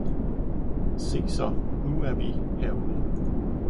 Se så, nu er vi herude.